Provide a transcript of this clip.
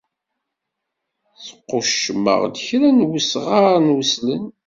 Squccemeɣ-d kra n wesɣaṛ n weslen.